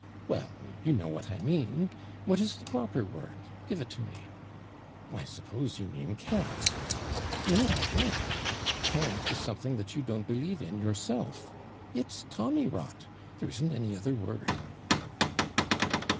"Well, you know what I mean. What is the proper word? Give it to me." "I suppose you mean /cant/." "No, I don't. /Cant/ is something that you don't believe in yourself. It's /Tommy rot/; there isn't any other word."